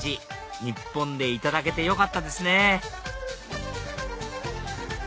日本でいただけてよかったですね